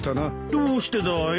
どうしてだい？